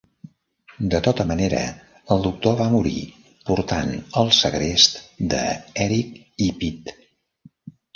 De tota manera, el doctor va morir, portant al segrest de Eric i Pete.